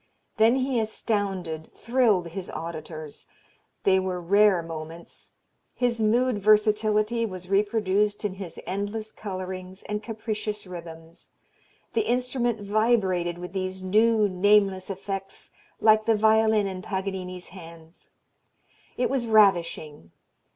Then he astounded, thrilled his auditors. They were rare moments. His mood versatility was reproduced in his endless colorings and capricious rhythms. The instrument vibrated with these new, nameless effects like the violin in Paganini's hands. It was ravishing.